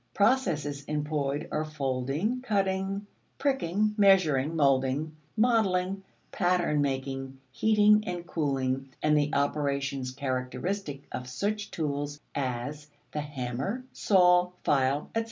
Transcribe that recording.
Processes employed are folding, cutting, pricking, measuring, molding, modeling, pattern making, heating and cooling, and the operations characteristic of such tools as the hammer, saw, file, etc.